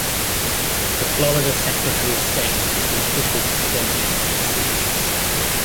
The Florida Secretary of State is the official custodian of the seal.